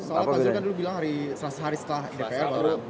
soalnya pak zul kan dulu bilang hari setelah dpr